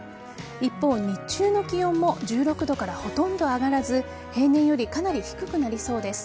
一方、日中の気温も１６度からほとんど上がらず平年よりかなり低くなりそうです。